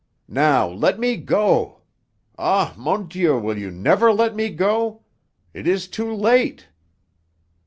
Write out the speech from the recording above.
"Now let me go! Ah, mon Dieu, will you never let me go? It is too late!"